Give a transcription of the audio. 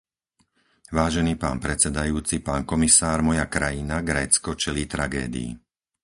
Vážený pán predsedajúci, pán komisár, moja krajina, Grécko, čelí tragédii.